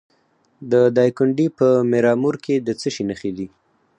د دایکنډي په میرامور کې د څه شي نښې دي؟